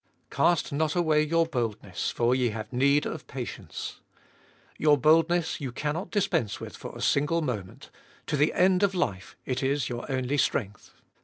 Cast not away your boldness, for ye have need of patience. Your boldness you cannot dispense with for a single moment ; to the end of life it is your only strength.